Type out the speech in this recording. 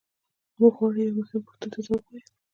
موږ غواړو یوې مهمې پوښتنې ته ځواب ووایو.